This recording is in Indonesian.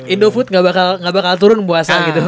indofood nggak bakal turun buasa gitu